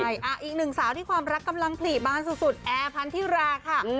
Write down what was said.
ใช่อีกหนึ่งสาวที่ความรักกำลังผลิบานสุดแอร์พันธิราค่ะ